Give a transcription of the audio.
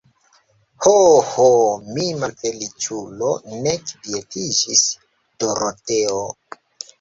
Ho, ho, mi, malfeliĉulo, ne kvietiĝis Doroteo.